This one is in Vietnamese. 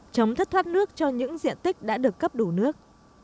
chống thất thoát nước cho những diện tích đã được cấp đủ nước